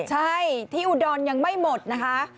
ใช่ที่อุดรยังไม่หมดนะคะ